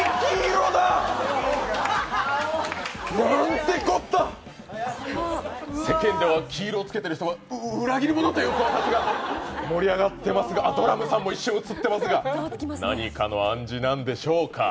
なんてこった、世間では黄色をつけている人は裏切り者という話が盛り上がってますがドラムさんも一瞬映ってますが何かの暗示なんでしょうか。